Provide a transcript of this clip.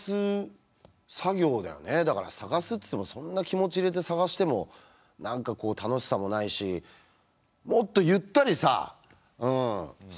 だから探すっつってもそんな気持ち入れて探しても何かこう楽しさもないしもっとゆったりさ探してってほしいな。